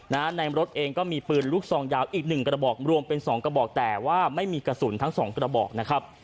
ในรถเองก็มีปืนลูกซองยาวอีกหนึ่งกระบอกรวมเป็นสองกระบอกแต่ว่าไม่มีกระสุนทั้งสองกระบอกนะครับ